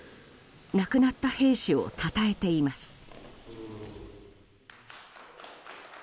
亡くなった兵士をたたえています。